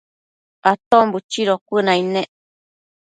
Aton buchido cuënaid nec